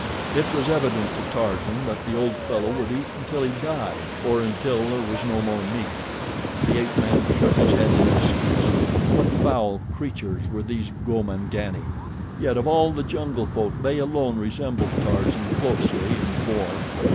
It was evident to Tarzan that the old fellow would eat until he died, or until there was no more meat. The ape man shook his head in disgust. What foul creatures were these Gomangani? Yet of all the jungle folk they alone resembled Tarzan closely in form.